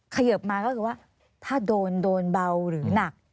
เขยิบมาก็คือว่าถ้าโดนโดนเบาหรือหนัก